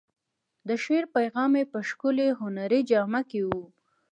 د شعر پیغام یې په ښکلې هنري جامه کې و.